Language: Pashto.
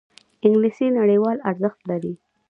انګلیسي نړیوال ارزښت لري